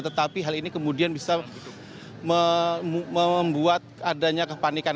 tetapi hal ini kemudian bisa membuat adanya kepanikan